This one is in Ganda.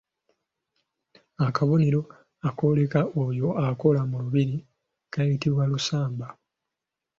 Akabonero akooleka oyo akola mu lubiri kayitibwa lusamba.